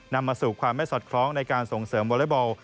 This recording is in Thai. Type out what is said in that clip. นำมาสู่ความไม่สอดคล้องในการส่งเสริมวอเล็กบอล